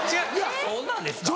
そうなんですか？